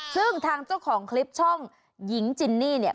ซึ่งทางเจ้าของคลิปช่องหญิงจินนี่เนี่ย